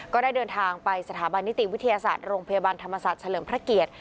ก็ได้เดินทางไปสถาบันนิติวิทยาศาสตร์โรงพยาบาลธรรมศาสตร์เฉลิมพระเกียรติ